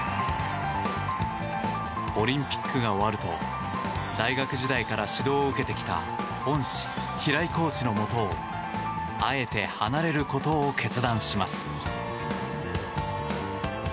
オリンピックが終わると大学時代から指導を受けてきた恩師・平井コーチのもとをあえて離れることを決断します。